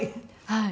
はい。